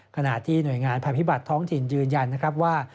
ขณะที่หน่วยงานภัยพิบัตรท้องถิ่นยืนยันนะครับว่า